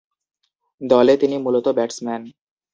দলে তিনি মূলতঃ ব্যাটসম্যান।